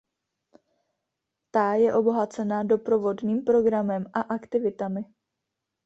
Ta je obohacena doprovodným programem a aktivitami.